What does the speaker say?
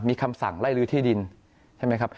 มีคำสั่งไล่ลื้อที่ดินใช่ไหมครับ